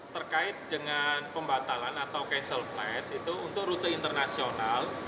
terkait dengan pembatalan atau cancel flight itu untuk rute internasional